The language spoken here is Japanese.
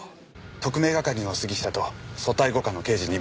特命係の杉下と組対５課の刑事２名。